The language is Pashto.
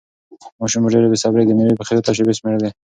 ماشوم په ډېرې بې صبري د مېوې پخېدو ته شېبې شمېرلې.